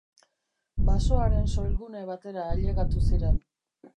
Basoaren soilgune batera ailegatu ziren.